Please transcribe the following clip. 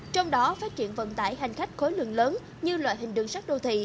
trong đó phát triển vận tải hành khách khối lượng lớn như loại hình đường sắt đô thị